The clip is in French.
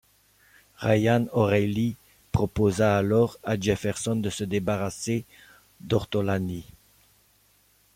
Ryan O'Reilly proposera alors à Jefferson de se débarrasser d'Ortolani.